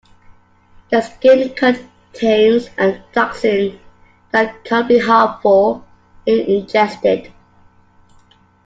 Their skin contains a toxin that can be harmful if ingested.